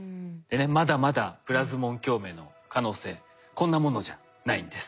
まだまだプラズモン共鳴の可能性こんなものじゃないんです。